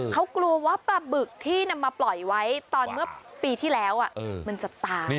เขากลัวว่าปลาบึกที่นำมาปล่อยไว้ตอนเมื่อปีที่แล้วมันจะตาย